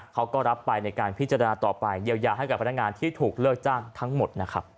เขาก็รับไปในการพิจารณาต่อไปเยียวยาให้กับพนักงานที่ถูกเลิกจ้างทั้งหมดนะครับ